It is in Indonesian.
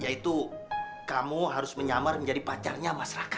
yaitu kamu harus menyamar menjadi pacarnya mas raka